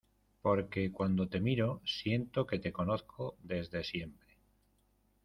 porque, cuando te miro , siento que te conozco desde siempre.